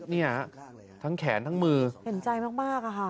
เนี่ยทั้งแขนทั้งมือเห็นใจมากอะค่ะ